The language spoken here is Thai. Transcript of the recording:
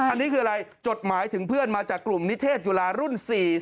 อันนี้คืออะไรจดหมายถึงเพื่อนมาจากกลุ่มนิเทศจุฬารุ่น๔๐